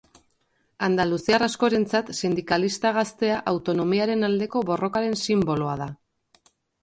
Andaluziar askorentzat sindikalista gaztea autonomiaren aldeko borrokaren sinboloa da.